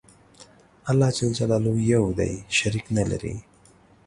الله ج یو دی شریک نه لری